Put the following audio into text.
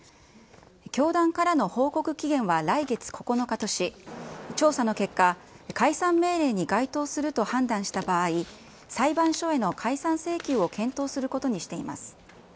教団からの報告期限は来月９日とし、調査の結果、解散命令に該当すると判断した場合、裁判所への解散請求を検討することにしています。